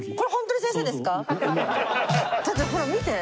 だってほら見て。